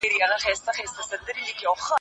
د ژبپوهنې مسایل په پوره پاملرنې څېړل کیږي.